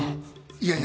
いやいや。